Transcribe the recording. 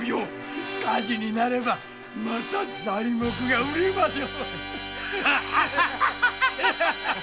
火事になればまた材木が売れますよ。